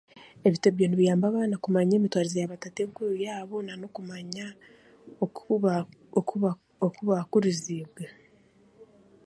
Ebitebyo nibiyamba abaana kumanya emutwarize yaabatatenkuru yaabo nan'okumanya okuba okuba okubaakuriziibwe.